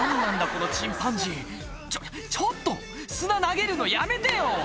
このチンパンジーちょちょっと砂投げるのやめてよ！